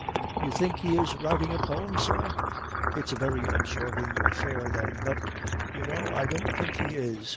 "You think he is writing a poem, sir? It's a very absorbing affair, then! But, you know, I don't think he is.